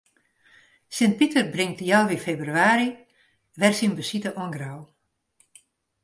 Sint Piter bringt healwei febrewaarje wer syn besite oan Grou.